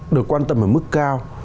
được quan tâm ở mức cao